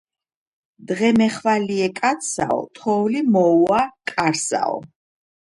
დღემეხვალიე კაცსაო, თოვლი მოუვა კარსაო